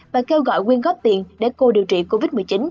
và kêu gọi quyên góp tiền để cô điều trị covid một mươi chín